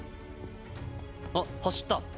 あ走った。